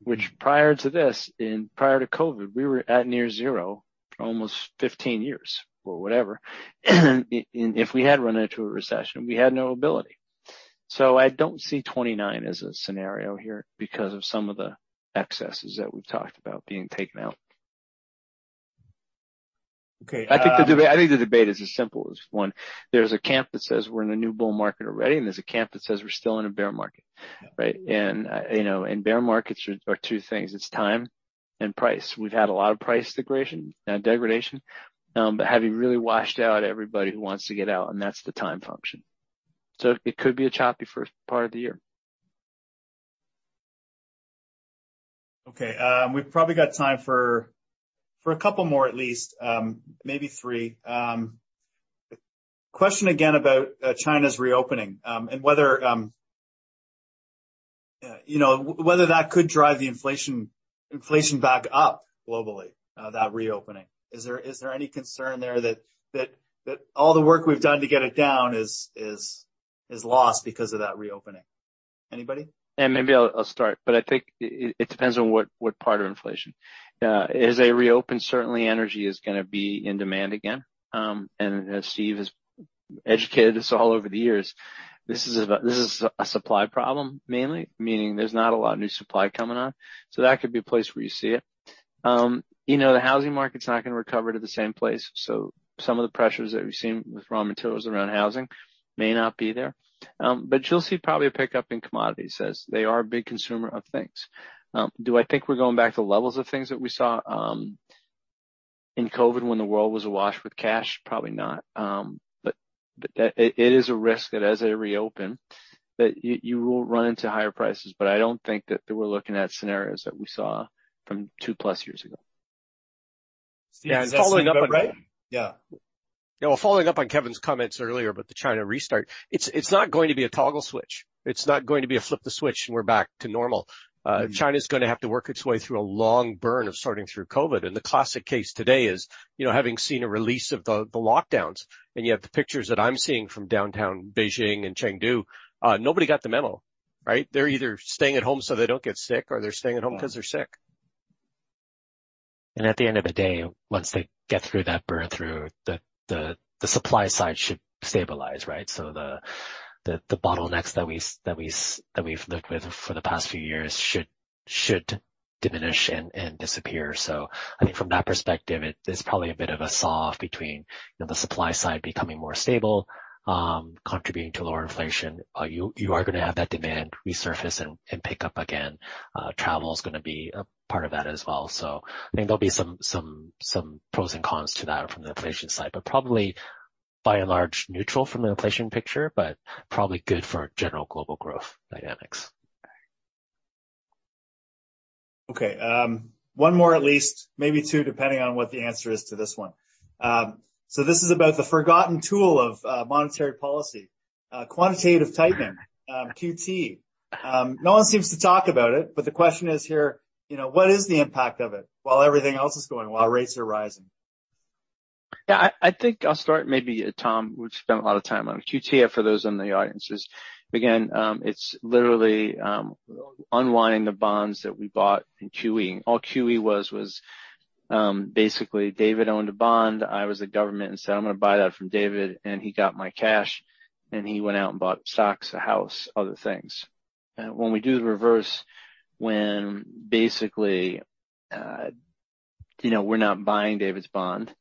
Speaker 2: Which prior to this, prior to COVID, we were at near zero for almost 15 years or whatever. If we had run into a recession, we had no ability. I don't see 29 as a scenario here because of some of the excesses that we've talked about being taken out.
Speaker 1: Okay.
Speaker 2: I think the debate is a simple one. There's a camp that says we're in a new bull market already, and there's a camp that says we're still in a bear market, right? You know, bear markets are two things. It's time and price. We've had a lot of price degradation, but have you really washed out everybody who wants to get out? That's the time function. It could be a choppy first part of the year.
Speaker 1: Okay. We've probably got time for a couple more at least, maybe three. Question again about China's reopening, and whether, you know, whether that could drive the inflation back up globally, that reopening. Is there any concern there that all the work we've done to get it down is lost because of that reopening? Anybody?
Speaker 2: Yeah, maybe I'll start, I think it depends on what part of inflation. As they reopen, certainly energy is gonna be in demand again. As Steve has educated us all over the years, this is a supply problem, mainly, meaning there's not a lot of new supply coming on. That could be a place where you see it. You know, the housing market's not gonna recover to the same place. Some of the pressures that we've seen with raw materials around housing may not be there. You'll see probably a pickup in commodities as they are a big consumer of things. Do I think we're going back to levels of things that we saw in COVID when the world was awash with cash? Probably not. That... It is a risk that as they reopen, that you will run into higher prices. I don't think that we're looking at scenarios that we saw from 2+ years ago.
Speaker 1: Steve-
Speaker 4: Yeah. following up on-.
Speaker 1: Right? Yeah.
Speaker 4: Yeah. Well, following up on Kevin's comments earlier about the China restart, it's not going to be a toggle switch. It's not going to be a flip the switch and we're back to normal. China's gonna have to work its way through a long burn of sorting through COVID. The classic case today is, you know, having seen a release of the lockdowns, and you have the pictures that I'm seeing from downtown Beijing and Chengdu, nobody got the memo, right? They're either staying at home so they don't get sick or they're staying at home 'cause they're sick.
Speaker 5: At the end of the day, once they get through that burn-through, the supply side should stabilize, right? The bottlenecks that we've lived with for the past few years should diminish and disappear. I think from that perspective, it is probably a bit of a saw between, you know, the supply side becoming more stable, contributing to lower inflation. You are gonna have that demand resurface and pick up again. Travel is gonna be a part of that as well. I think there'll be some pros and cons to that from the inflation side. Probably, By and large, neutral from an inflation picture, but probably good for general global growth dynamics.
Speaker 1: Okay. One more at least, maybe two, depending on what the answer is to this one. This is about the forgotten tool of monetary policy, quantitative tightening, QT. No one seems to talk about it, the question is here, you know, what is the impact of it while everything else is going, while rates are rising?
Speaker 2: I think I'll start maybe, Tom, we've spent a lot of time on QT. For those in the audience, again, it's literally unwinding the bonds that we bought in QE. All QE was, basically David owned a bond, I was the government and said, "I'm gonna buy that from David." He got my cash, and he went out and bought stocks, a house, other things. When we do the reverse, when basically, you know, we're not buying David's bond,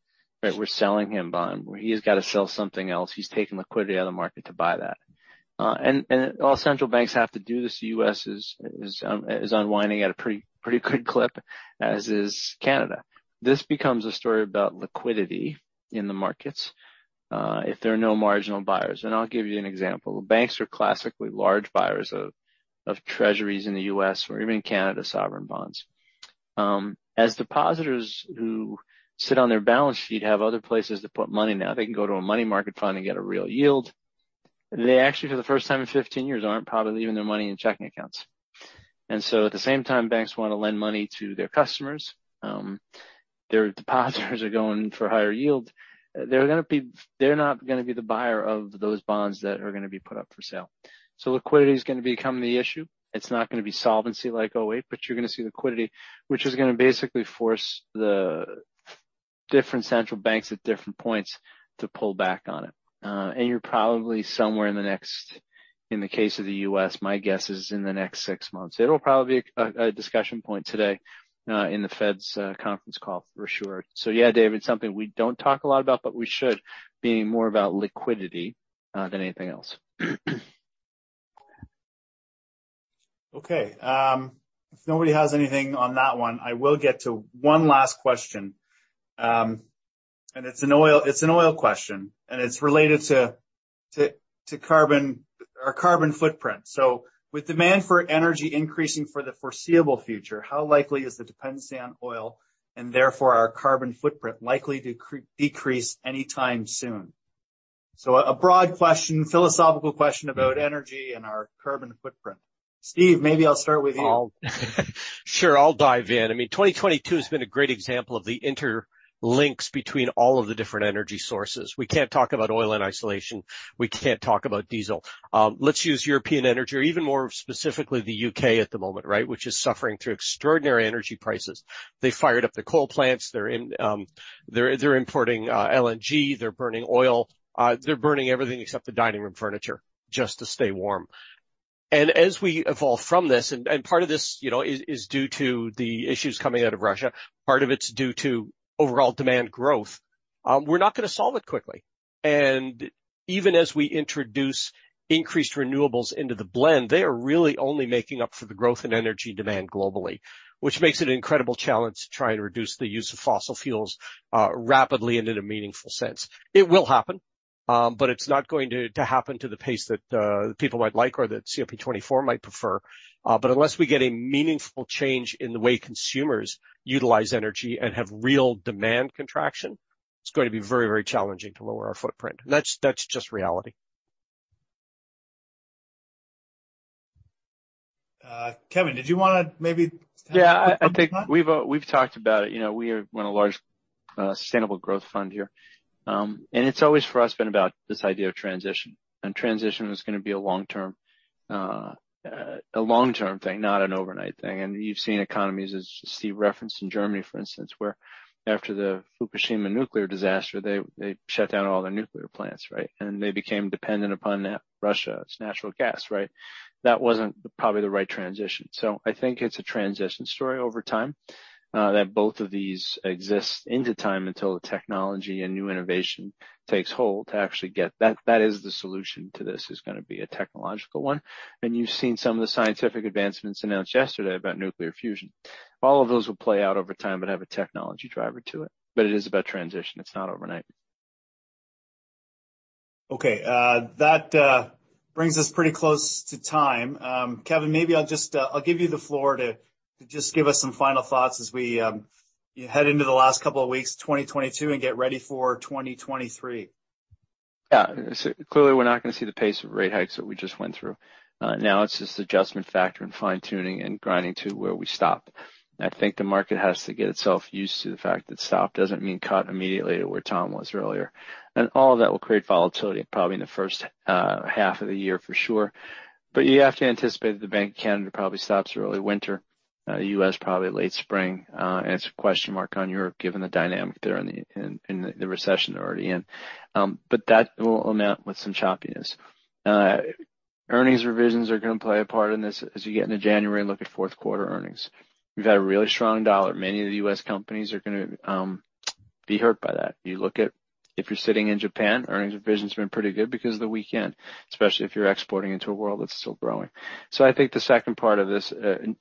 Speaker 2: right? We're selling him bond, he has gotta sell something else. He's taking liquidity out of the market to buy that. All central banks have to do this. The U.S. is unwinding at a pretty good clip, as is Canada. This becomes a story about liquidity in the markets, if there are no marginal buyers, and I'll give you an example. Banks are classically large buyers of treasuries in the U.S. or even Canada sovereign bonds. As depositors who sit on their balance sheet have other places to put money now, they can go to a money market fund and get a real yield. They actually, for the first time in 15 years, aren't probably leaving their money in checking accounts. At the same time, banks wanna lend money to their customers, their depositors are going for higher yield. They're not gonna be the buyer of those bonds that are gonna be put up for sale. Liquidity is gonna become the issue. It's not gonna be solvency like 2008, but you're gonna see liquidity, which is gonna basically force the different central banks at different points to pull back on it. You're probably somewhere in the next, in the case of the U.S., my guess is in the next six months. It'll probably be a discussion point today in the Fed's conference call for sure. Yeah, David, something we don't talk a lot about, but we should, being more about liquidity than anything else.
Speaker 1: Okay. If nobody has anything on that one, I will get to one last question. It's an oil question, and it's related to carbon footprint. With demand for energy increasing for the foreseeable future, how likely is the dependency on oil and therefore our carbon footprint likely to decrease any time soon? A broad question, philosophical question about energy and our carbon footprint. Steve, maybe I'll start with you.
Speaker 4: Sure, I'll dive in. I mean, 2022 has been a great example of the interlinks between all of the different energy sources. We can't talk about oil in isolation, we can't talk about diesel. Let's use European energy, or even more specifically, the U.K. at the moment, right? Which is suffering through extraordinary energy prices. They fired up the coal plants. They're in, they're importing LNG. They're burning oil. They're burning everything except the dining room furniture just to stay warm. As we evolve from this, and part of this, you know, is due to the issues coming out of Russia, part of it's due to overall demand growth. We're not gonna solve it quickly. Even as we introduce increased renewables into the blend, they are really only making up for the growth in energy demand globally, which makes it an incredible challenge to try to reduce the use of fossil fuels rapidly and in a meaningful sense. It will happen, but it's not going to happen to the pace that people might like or that COP 24 might prefer. Unless we get a meaningful change in the way consumers utilize energy and have real demand contraction, it's gonna be very, very challenging to lower our footprint. That's just reality.
Speaker 1: Kevin, did you wanna maybe add a bit on that?
Speaker 2: Yeah. I think we've talked about it. You know, we are one of the large sustainable growth fund here. It's always for us been about this idea of transition, and transition is gonna be a long-term thing, not an overnight thing. You've seen economies, as Steve referenced, in Germany, for instance, where after the Fukushima nuclear disaster, they shut down all their nuclear plants, right? They became dependent upon Russia's natural gas, right? That wasn't probably the right transition. I think it's a transition story over time that both of these exist into time until the technology and new innovation takes hold to actually get. That is the solution to this, is gonna be a technological one. You've seen some of the scientific advancements announced yesterday about nuclear fusion. All of those will play out over time but have a technology driver to it. It is about transition. It's not overnight.
Speaker 1: Okay. That brings us pretty close to time. Kevin, maybe I'll just, I'll give you the floor to just give us some final thoughts as we head into the last couple of weeks of 2022 and get ready for 2023.
Speaker 2: Clearly we're not gonna see the pace of rate hikes that we just went through. Now it's just adjustment factor and fine-tuning and grinding to where we stop. I think the market has to get itself used to the fact that stop doesn't mean cut immediately to where Tom was earlier. All of that will create volatility probably in the first half of the year for sure. You have to anticipate that the Bank of Canada probably stops early winter, the US probably late spring. It's a question mark on Europe given the dynamic they're in, in the recession they're already in. That will amount with some choppiness. Earnings revisions are gonna play a part in this as you get into January and look at fourth quarter earnings. We've had a really strong dollar. Many of the U.S. companies are gonna be hurt by that. You look at if you're sitting in Japan, earnings revision's been pretty good because of the weak yen, especially if you're exporting into a world that's still growing. I think the second part of this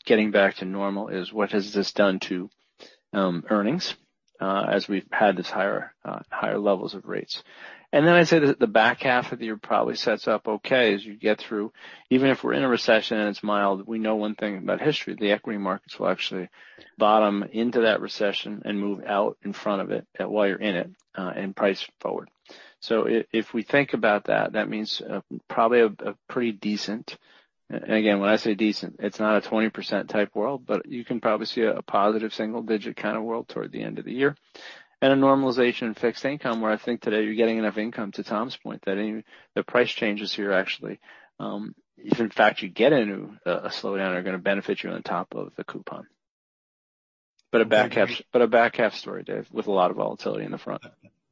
Speaker 2: getting back to normal is what has this done to earnings. As we've had this higher levels of rates. I say that the back half of the year probably sets up okay as you get through. Even if we're in a recession and it's mild, we know one thing about history, the equity markets will actually bottom into that recession and move out in front of it while you're in it and price forward. If we think about that means probably a pretty decent... Again, when I say decent, it's not a 20% type world, but you can probably see a positive single digit kind of world toward the end of the year. A normalization in fixed income, where I think today you're getting enough income, to Tom's point, that the price changes here actually, if in fact you get into a slowdown, are gonna benefit you on top of the coupon. A back half story, Dave, with a lot of volatility in the front.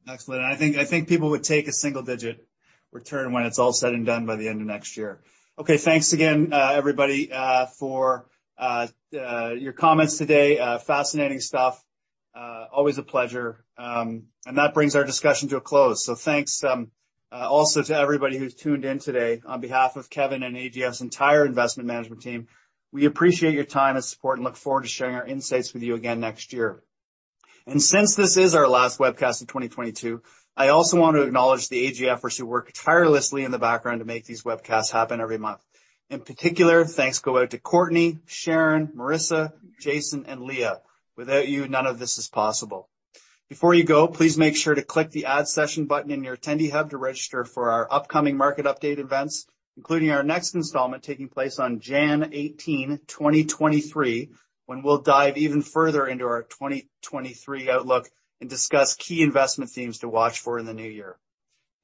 Speaker 1: Excellent. I think, I think people would take a single digit return when it's all said and done by the end of next year. Okay, thanks again, everybody, for your comments today. Fascinating stuff. Always a pleasure. That brings our discussion to a close. Thanks also to everybody who's tuned in today. On behalf of Kevin and AGF's entire investment management team, we appreciate your time and support and look forward to sharing our insights with you again next year. Since this is our last webcast of 2022, I also want to acknowledge the AGFers who work tirelessly in the background to make these webcasts happen every month. In particular, thanks go out to Courtney, Sharon, Marissa, Jason, and Leah. Without you, none of this is possible. Before you go, please make sure to click the Add Session button in your Attendee Hub to register for our upcoming market update events, including our next installment taking place on January 18, 2023, when we'll dive even further into our 2023 outlook and discuss key investment themes to watch for in the new year.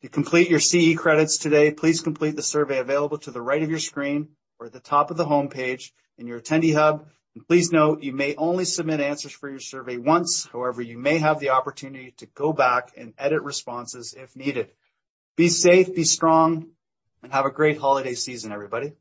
Speaker 1: To complete your CE credits today, please complete the survey available to the right of your screen or at the top of the homepage in your Attendee Hub, and please note you may only submit answers for your survey once. However, you may have the opportunity to go back and edit responses if needed. Be safe, be strong, and have a great holiday season, everybody.